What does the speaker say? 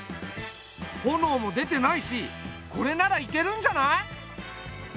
炎も出てないしこれならいけるんじゃない？